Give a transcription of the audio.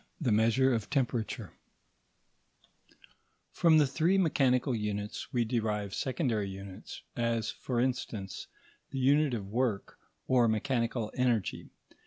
§ 5. THE MEASURE OF TEMPERATURE From the three mechanical units we derive secondary units; as, for instance, the unit of work or mechanical energy.